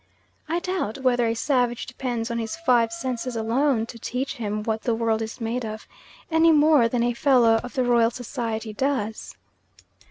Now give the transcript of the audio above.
I doubt whether a savage depends on his five senses alone to teach him what the world is made of, any more than a Fellow of the Royal Society does.